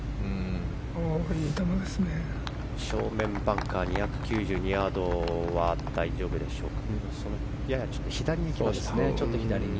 正面バンカー２９２ヤードは大丈夫でしょうか。